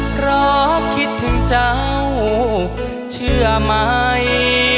เพราะคิดถึงเจ้าเชื่อไหม